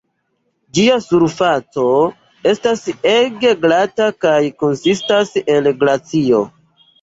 Ĝia surfaco estas ege glata kaj konsistas el glacio.